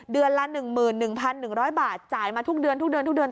เดือนละหนึ่งหมื่นหนึ่งพันหนึ่งร้อยบาทจ่ายมาทุกเดือนทุกเดือน